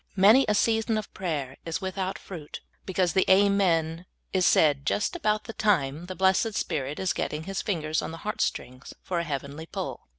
Many a season of praj^er is without fruit because the '' Amen" is said just about the time the blessed Spirit is getting His fingers on the heart strings for a heavenly pull.